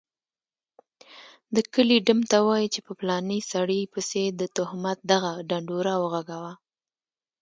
دکلي ډم ته وايي چي په پلاني سړي پسي دتهمت دغه ډنډوره وغږوه